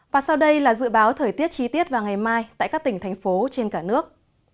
và sau đây là dự báo thời tiết chi tiết vào ngày mai tại các tỉnh thành phố trên cả nước